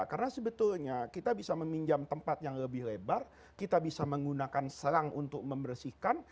karena sebetulnya kita bisa meminjam tempat yang lebih lebar kita bisa menggunakan selang untuk membersihkan